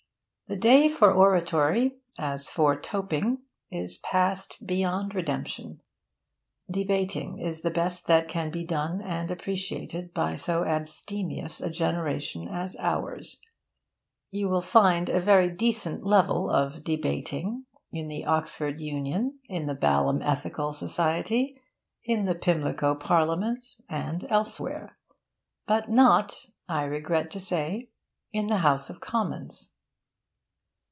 The day for oratory, as for toping, is past beyond redemption. 'Debating' is the best that can be done and appreciated by so abstemious a generation as ours. You will find a very decent level of 'debating' in the Oxford Union, in the Balham Ethical Society, in the Pimlico Parliament, and elsewhere. But not, I regret to say, in the House of Commons.